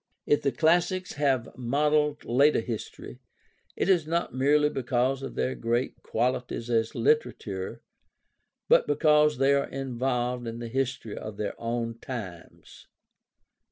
If the classics have molded later history, it is not merely because of their great qualities as literature, but because they are involved in the history of their own times."